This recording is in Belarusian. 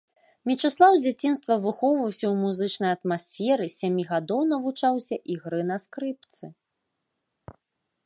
Мечыслаў з дзяцінства выхоўваўся ў музычнай атмасферы, з сямі гадоў навучаўся ігры на скрыпцы.